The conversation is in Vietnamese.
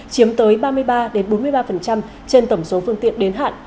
chiếm tới ba mươi ba bốn mươi ba trên tổng số phương tiện đến hạn